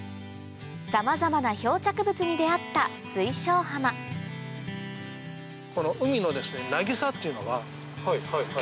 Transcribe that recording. さまざまな漂着物に出合った水晶浜この海のなぎさっていうのは。